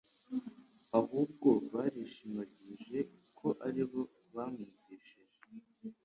Ahubwo barishimagije ko aribo bamwigishije,